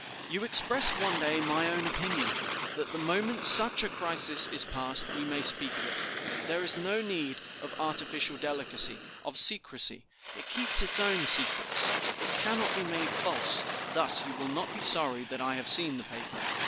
You expressed one day my own opinion, that the moment such a crisis is passed, we may speak of it. There is no need of artificial delicacy, of secrecy; it keeps its own secrets; it cannot be made false. Thus you will not be sorry that I have seen the paper.